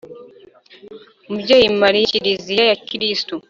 mubyeyi mariya, kiliziya ya kristu